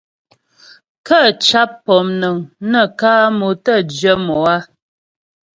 Kə́ sháp pɔmnəŋ nə kǎ mo tə́ jyə mo á.